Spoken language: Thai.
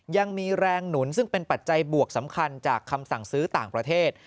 ยังมีแรงหนุนซึ่งเป็นปัจจัยบวกสำคัญจากคำสั่งซื้อต่างประเทศ